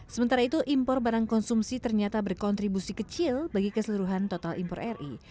sementara itu impor barang konsumsi ternyata berkontribusi kecil bagi keseluruhan total impor ri